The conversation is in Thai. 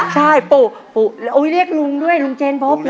ใช่ปู่เรียกลุงด้วยลุงเจนพบเหรอ